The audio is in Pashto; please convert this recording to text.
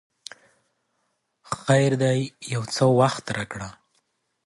خیر دی یو څه وخت راکړه!